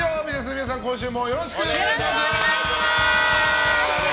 皆さん、今週もよろしくお願いいたします。